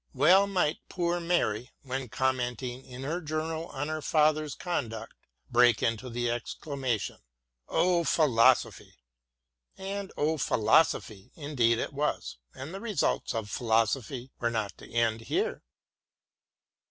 Well might poor Mary, when commenting in her Journal on her father's conduct, break into the exclamation, " Oh, Philosophy J " And oh, Philo sophy ! indeed it was, and the results of philo sophy were not to end here.